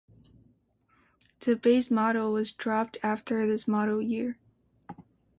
The base model was dropped after this model year.